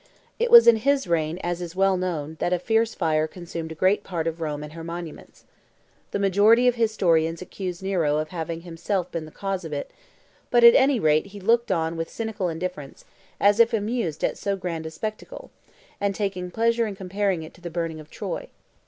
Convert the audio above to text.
It was in his reign, as is well known, that a fierce fire consumed a great part of Rome and her monuments. The majority of historians accuse Nero of having himself been the cause of it; but at any rate he looked on with cynical indifference, as if amused at so grand a spectacle, and taking pleasure in comparing it to the burning of Troy.